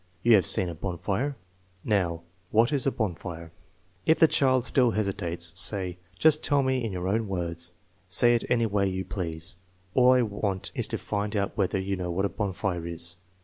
You have seen a bonfire. Now, what is a bonfire? " If the child still hesitates, say: " Just tell me in your own words; say it any way you please. All I want is to find out whether you know what a bonfire is."